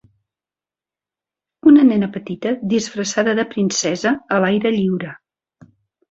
Una nena petita disfressada de princesa a l'aire lliure.